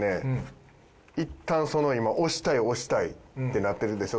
いったん今押したい押したいってなってるでしょ。